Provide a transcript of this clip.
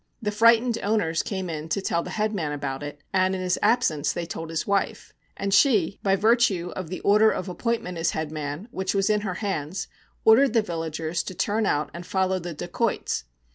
The frightened owners came in to tell the headman about it, and in his absence they told his wife. And she, by virtue of the order of appointment as headman, which was in her hands, ordered the villagers to turn out and follow the dacoits.